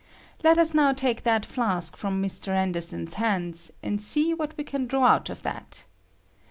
Let us now take that flask from Mr. Anderson's hands, and see what we can draw out of that.